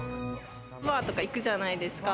バーとか行くじゃないですか。